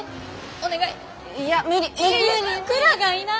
お願い！